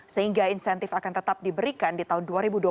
sehingga insentif akan tetap diberikan di tahun dua ribu dua puluh satu